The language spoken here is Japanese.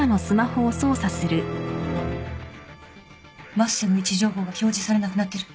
升瀬の位置情報が表示されなくなってる。